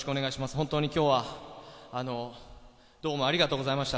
本当に今日はどうもありがとうございました。